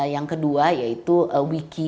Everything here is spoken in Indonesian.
yang kedua yaitu wiki